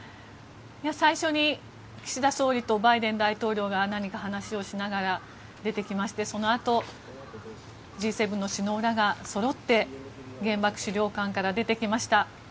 最初に岸田総理とバイデン大統領が何か話をしながら出てきましてそのあと、Ｇ７の首脳らがそろって原爆資料館から出てきました。